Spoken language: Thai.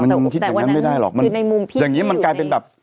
ไม่หรอกแต่ว่าคือในมุมพี่ที่อยู่ในอย่างงี้มันกลายเป็นแบบ